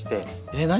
えっ？何？